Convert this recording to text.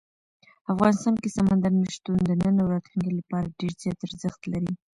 افغانستان کې سمندر نه شتون د نن او راتلونکي لپاره ډېر زیات ارزښت لري.